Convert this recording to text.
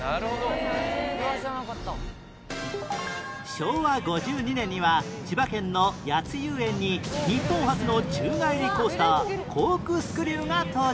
昭和５２年には千葉県の谷津遊園に日本初の宙返りコースターコークスクリューが登場